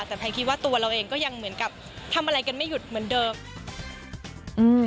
แต่แพนคิดว่าตัวเราเองก็ยังเหมือนกับทำอะไรกันไม่หยุดเหมือนเดิมอืม